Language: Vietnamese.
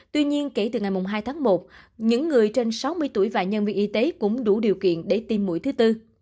tuy nhiên kể từ ngày hai tháng một những người trên sáu mươi tuổi và nhân viên y tế cũng đủ điều kiện để tiêm mũi thứ tư